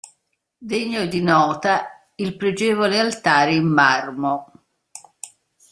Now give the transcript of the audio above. Degno di nota il pregevole altare in marmo.